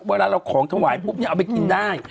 เวลาเราของถวายปุ๊บเนี่ยเอาไปกินได้